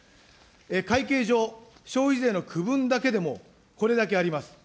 会計上、消費税の区分だけでもこれだけあります。